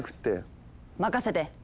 任せて！